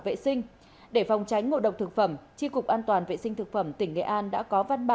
vệ sinh để phòng tránh ngộ độc thực phẩm tri cục an toàn vệ sinh thực phẩm tỉnh nghệ an đã có văn bản